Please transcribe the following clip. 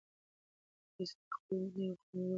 فیصل د خپلو نویو ملګرو تر ناوړه اغېز لاندې بیخي بدل شوی و.